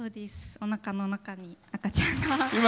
おなかの中に赤ちゃんが。